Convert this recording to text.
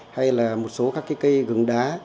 hay là một số các cây gừng đá